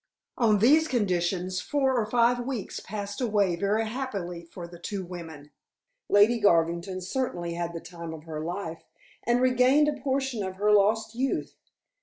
On these conditions four or five weeks passed away very happily for the two women. Lady Garvington certainly had the time of her life, and regained a portion of her lost youth.